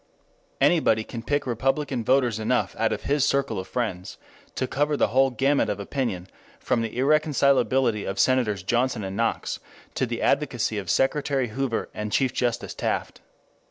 Anybody can pick Republican voters enough out of his circle of friends to cover the whole gamut of opinion from the irreconcilability of Senators Johnson and Knox to the advocacy of Secretary Hoover and Chief Justice Taft.